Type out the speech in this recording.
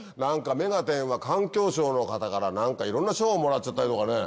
『目がテン！』は環境省の方からいろんな賞をもらっちゃったりとかね。